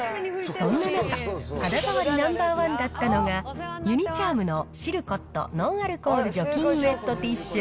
そんな中、肌触りナンバー１だったのが、ユニ・チャームのシルコットノンアルコール除菌ウェットティッシュ。